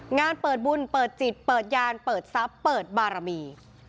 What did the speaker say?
งานเปิดบุญเปิดจิตเปิดยานเปิดทรัพย์เปิดบารมี